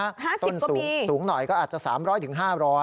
๕๐กว่าปีต้นสูงหน่อยก็อาจจะ๓๐๐ถึง๕๐๐